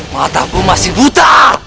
matamu masih buta